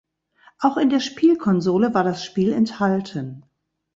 Auch in der Spielkonsole war das Spiel enthalten.